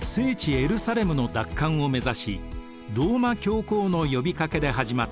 エルサレムの奪還を目指しローマ教皇の呼びかけで始まった十字軍。